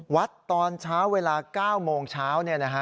วัดตอนเช้าเวลา๙โมงเช้า